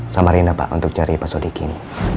samarinda pak untuk cari pak sodikin